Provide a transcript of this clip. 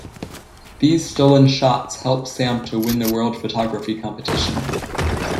These stolen shots help Sam to win the world photography competition.